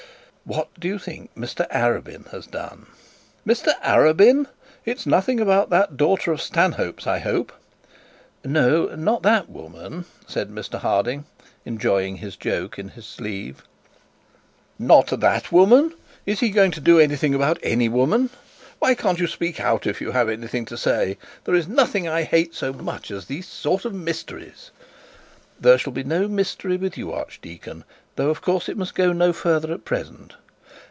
'What do you think Mr Arabin has done?' 'Mr Arabin! It's nothing about that daughter of Stanhope's, I hope?' 'No, not that woman,' said Mr Harding, enjoying his joke in his sleeve. 'Not that woman! Is he going to do anything about any woman? Why can't you speak out if yo have anything to say? There is nothing I hate so much as these sort of mysteries.' 'There shall be no mystery with you, archdeacon; though, of course, it must go no further at present.'